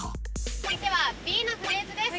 続いてはＢのフレーズです